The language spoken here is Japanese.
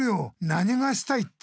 なにがしたいって？